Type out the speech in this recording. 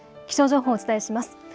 気象情報をお伝えします。